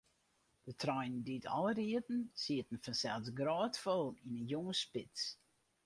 De treinen dy't ál rieden, sieten fansels grôtfol yn 'e jûnsspits.